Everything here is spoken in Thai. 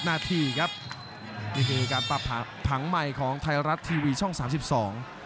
นี่คือการปรับผังใหม่ของไทยรัฐทีวีช่อง๓๒